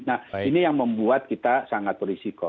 nah ini yang membuat kita sangat berisiko